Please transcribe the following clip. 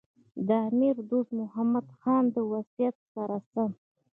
د امیر دوست محمد خان د وصیت سره سم.